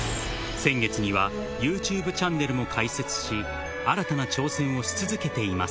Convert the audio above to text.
先月には、ユーチューブチャンネルも開設し、新たな挑戦をし続けています。